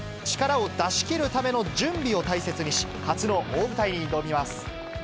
力を出しきるための準備を大切にし、初の大舞台に挑みます。